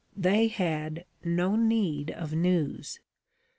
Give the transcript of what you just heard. They had no need of news.